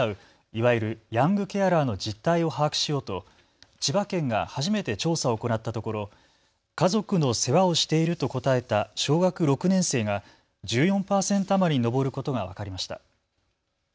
いわゆるヤングケアラーの実態を把握しようと千葉県が初めて調査を行ったところ家族の世話をしていると答えた小学６年生が１４％余りに上ることが分かりました。